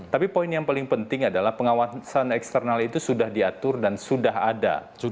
tapi poin yang paling penting adalah pengawasan eksternal itu sudah diatur dan sudah ada